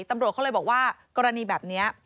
ตำรวจเขาเลยบอกว่ากรณีแบบนี้